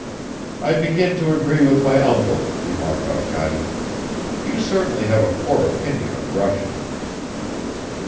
'" "I begin to agree with my uncle," remarked Arkady. "You certainly have a poor opinion of Russians."